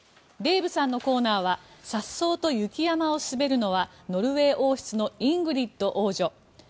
デーブさんのコーナーはさっそうと雪山を滑るのはノルウェー王室のイングリッド王女。